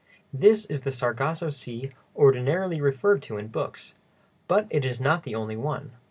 This is the Sargasso Sea ordinarily referred to in books, but it is not the only one.